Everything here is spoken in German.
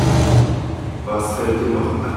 Was fällt dir noch ein?